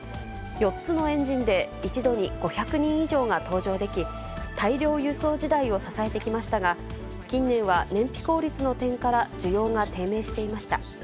４つのエンジンで一度に５００人以上が搭乗でき、大量輸送時代を支えてきましたが、近年は燃費効率の点から需要が低迷していました。